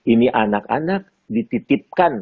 ini anak anak dititipkan